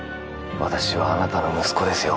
私はあなたの息子ですよ